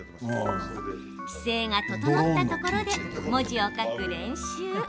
姿勢が整ったところで文字を書く練習。